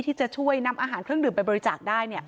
ที่จะช่วยนำอาหารเครื่องดื่มไปบริจาคได้